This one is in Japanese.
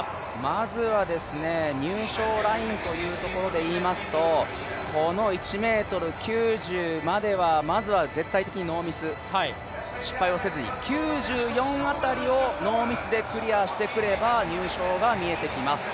まずは入賞ラインでいいますと、この１ｍ９０まではまずは絶対的にノーミス、失敗をせずに９４辺りをノーミスせずに跳んでくれば入賞が見えてきます。